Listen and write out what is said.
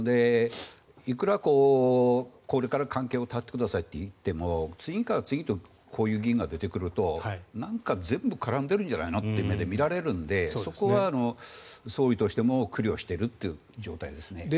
いくら、これから関係を断ってくださいと言っても次から次へとこういう議員が出てくると全部絡んでるんじゃないのという目で見られるのでそこは総理としても苦慮しているという状態ですね。